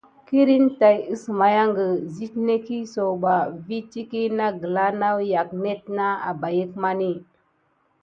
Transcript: Kirne tàt əsmaya site netki sakuɓa vi lʼékokle angraka wubaye kudmakiyague.